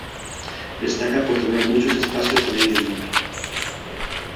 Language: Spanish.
Destaca por tener muchos espacios al aire libre.